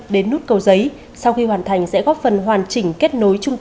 lên các huyện miền núi